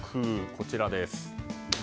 こちらです。